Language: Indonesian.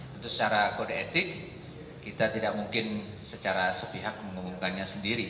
tentu secara kode etik kita tidak mungkin secara sepihak mengumumkannya sendiri